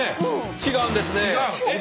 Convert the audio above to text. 違うんですね。